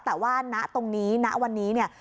แต่ว่าณตรงนี้ณวันนี้เนี่ย